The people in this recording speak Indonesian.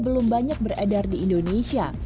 belum banyak beredar di indonesia